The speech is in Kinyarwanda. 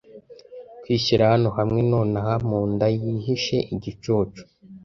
Kwishyira hano hamwe nonaha munda yihishe igicucu.